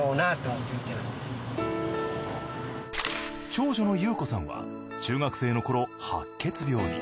長女の祐子さんは中学生の頃白血病に。